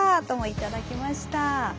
ともいただきました。